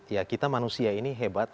ya kita manusia ini hebat